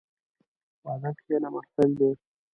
په ادب کښېنه، محفل دی.